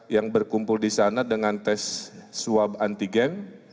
yang berkumpul di sana dengan tes swab antigen